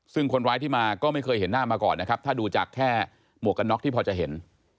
ซึ่งคนร้ายที่มาก็ไม่เคยเห็นหน้ามาก่อนนะครับถ้าดูจากแค่หมวกกันน็อกที่พอจะเห็น